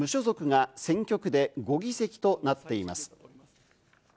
そして無所属が選挙区で５議席となっています。